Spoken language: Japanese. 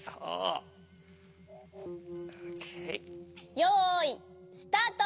よいスタート！